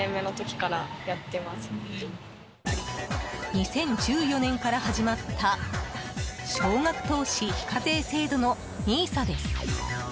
２０１４年から始まった小額投資非課税制度のＮＩＳＡ。